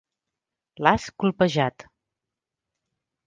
L'has colpejat.